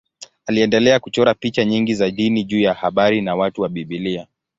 Aliendelea kuchora picha nyingi za dini juu ya habari na watu wa Biblia.